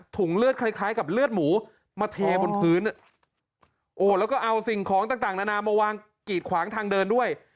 เลือดคล้ายกับเลือดหมูมาเทบนพื้นโอ้แล้วก็เอาสิ่งของต่างนานามาวางกีดขวางทางเดินด้วย